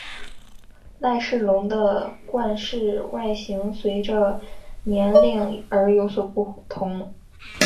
赖氏龙的冠饰外形随者年龄而有所不同。